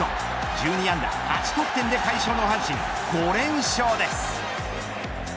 １２安打８得点で快勝の阪神５連勝です。